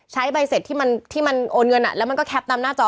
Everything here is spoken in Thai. ใช้ใบเสร็จที่มันโอนเงินแล้วมันก็แคปตามหน้าจอ